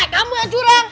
eh kamu yang curang